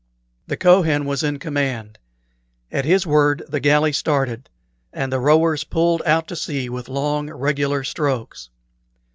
The Kohen was in command. At his word the galley started, and the rowers pulled out to sea with long, regular strokes.